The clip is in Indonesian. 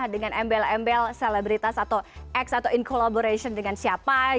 dengan embel embel selebritas atau x atau in collaboration dengan siapa